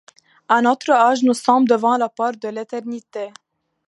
À notre âge nous sommes devant la porte de l'éternité.